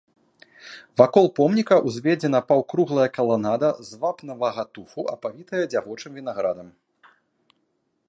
Вакол помніка ўзведзена паўкруглая каланада з вапнавага туфу, апавітая дзявочым вінаградам.